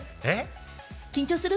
緊張する？